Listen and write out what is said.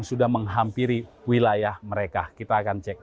sudah parah masuk kan